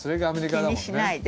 気にしないで。